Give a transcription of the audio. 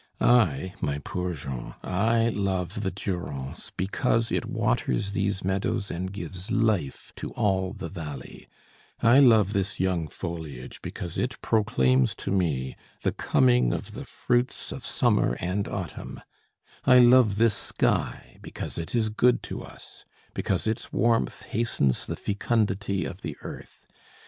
I, my poor Jean, I love the Durance because it waters these meadows and gives life to all the valley; I love this young foliage because it proclaims to me the coming of the fruits of summer and autumn; I love this sky because it is good to us, because its warmth hastens the fecundity of the earth.